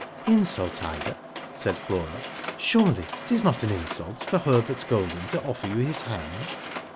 *' Insult, Ida," said Flora. " Surely it is not' an insult for Herbert Golding to offer you his hand?''